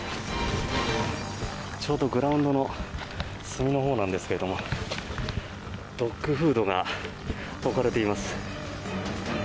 ちょうどグラウンドの隅のほうなんですけどドッグフードが置かれています。